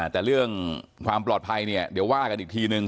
แต่เรื่องความปลอดภัยเนี่ยเดี๋ยวว่ากันอีกทีนึง